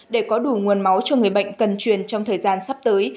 để có đủ nguồn máu cho người bệnh cần truyền trong thời gian sắp tới